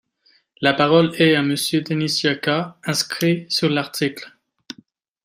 La parole est à Monsieur Denis Jacquat, inscrit sur l’article.